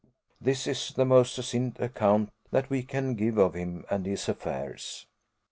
This is the most succinct account that we can give of him and his affairs.